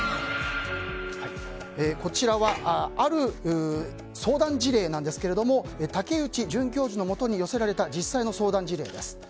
こちらはある相談事例なんですけれども竹内准教授のもとに寄せられた実際の相談事例です。